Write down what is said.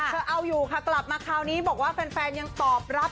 เอาอยู่ค่ะกลับมาคราวนี้บอกว่าแฟนยังตอบรับ